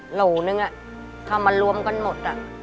หนูนึงทำมารวมกันหมด